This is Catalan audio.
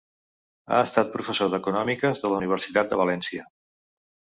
Ha estat professor d'econòmiques de la Universitat de València.